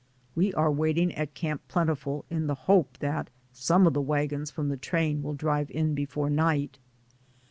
We are waiting at Camp Plentiful, in the hope that some of the wagons from the train will drive in before night.